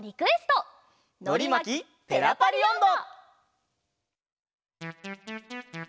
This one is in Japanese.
「のりまきペラパリおんど」。